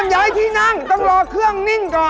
ย้ายที่นั่งต้องรอเครื่องนิ่งก่อน